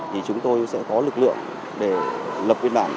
thì chúng tôi sẽ có lực lượng để lập biên bản